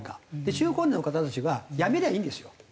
中高年の方たちが辞めりゃいいんですよ。